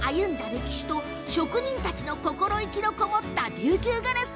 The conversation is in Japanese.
歴史と職人たちの心意気の籠もった琉球ガラス。